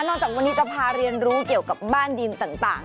จากวันนี้จะพาเรียนรู้เกี่ยวกับบ้านดินต่าง